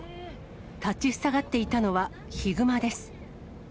立ちふさがっていたのはヒグマです。